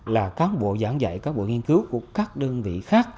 là cán bộ giảng dạy cán bộ nghiên cứu của các đơn vị khác